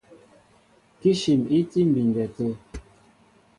Kíshim í tí á mbindɛ tê.